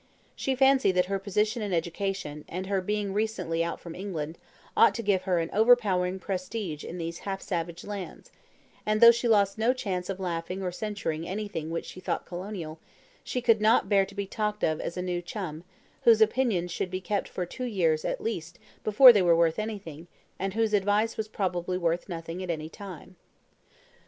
She fancied that her position and education, and her being recently out from England ought to give her an overpowering prestige in these half savage lands, and though she lost no chance of laughing or censuring anything which she thought colonial, she could not bear being talked of as a new chum, whose opinions should be kept for two years at least before they were worth anything, and whose advice was probably worth nothing at any time.